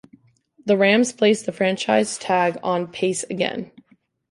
The Rams placed the franchise tag on Pace again.